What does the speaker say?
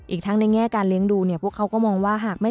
อีกทั้งในแง่การเลี้ยงดูพวกเขาก็มองว่า